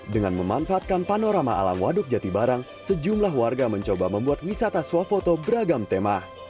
dengan memanfaatkan panorama alam waduk jati barang sejumlah warga mencoba membuat wisata suah foto beragam tema